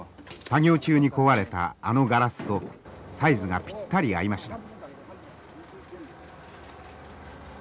作業中に壊れたあのガラスとサイズがピッタリ合いました。